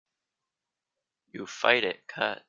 You fight it cut.